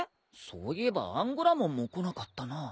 そういえばアンゴラモンも来なかったな。